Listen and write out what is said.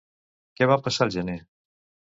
Què va passar al gener?